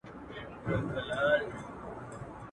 چي مي ښکار وي په هر ځای کي پیداکړی.